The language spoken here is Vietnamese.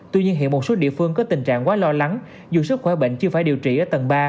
tuy nhiên hiện một số địa phương có tình trạng quá lo lắng dù sức khỏe bệnh chưa phải điều trị ở tầng ba